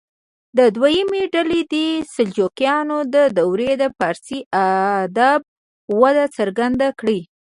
دویمه ډله دې د سلجوقیانو دورې د فارسي ادب وده څرګنده کړي.